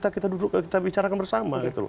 kita duduk kita bicarakan bersama